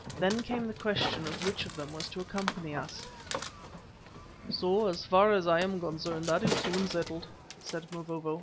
Then came the question of which of them was to accompany us. "So far as I am concerned that is soon settled," said Mavovo.